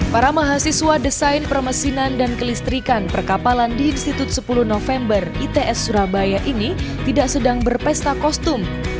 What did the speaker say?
para mahasiswa desain permesinan dan kelistrikan perkapalan di institut sepuluh november its surabaya ini tidak sedang berpesta kostum